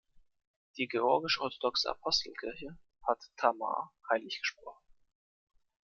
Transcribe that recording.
Die "Georgische Orthodoxe Apostelkirche" hat Tamar heiliggesprochen.